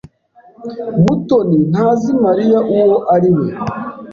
Mutoni ntazi Mariya uwo ari we.